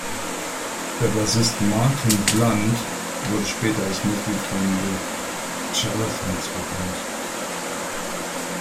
Der Bassist "Martin Blunt" wurde später als Mitglied von The Charlatans bekannt.